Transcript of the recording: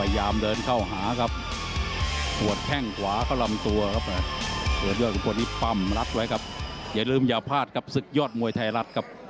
อย่าลืมอย่าพลาดกับศึกยอดมวยไทยรัฐครับ